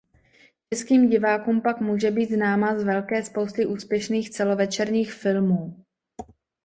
Českým divákům pak může být známa z velké spousty úspěšných celovečerních filmů.